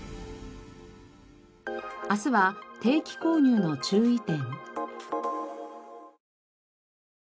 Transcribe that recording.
明日は定期購入の注意点。